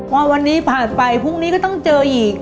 พอวันนี้ผ่านไปพรุ่งนี้ก็ต้องเจออีก